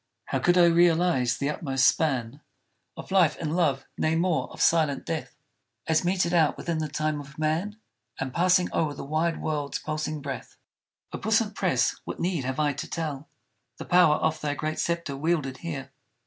How could I realize the utmost span Of life and love, nay more, of silent death As meted out within the time of man, And passing o'er the wide world's pulsing breath? O puissant Press! what need have I to tell The power of thy great sceptre wielded here?